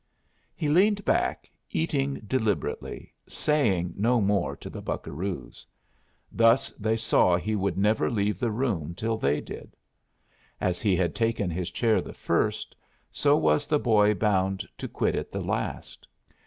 He leaned back, eating deliberately, saying no more to the buccaroos; thus they saw he would never leave the room till they did. As he had taken his chair the first, so was the boy bound to quit it the last.